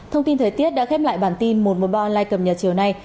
thông tin thời tiết đã khép lại bản tin một trăm một mươi ba online cập nhật chiều nay